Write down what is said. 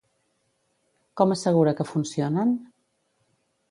Com assegura que funcionen?